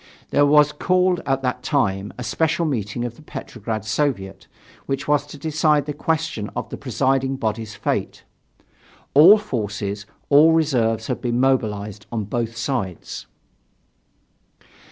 There was called at that time a special meeting of the Petrograd Soviet, which was to decide the question of the presiding body's fate. All forces, all reserves had been mobilized on both sides.